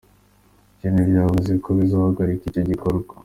Vyo ntivyavuze ko bizohagarika ico gikorwa.